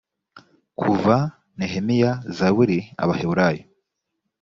kuva nehemiya zaburi abaheburayo